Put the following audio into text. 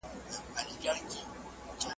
زدکړه د زده کوونکي له خوا کيږي؟!